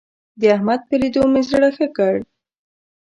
د احمد په ليدو مې زړه ښه کړ.